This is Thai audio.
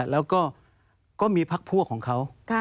แล้วก็มีพักพั่วของเขา